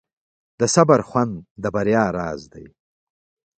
د صبر خوند د بریا راز دی.